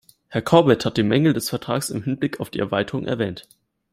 Herr Corbett hat die Mängel des Vertrags im Hinblick auf die Erweiterung erwähnt.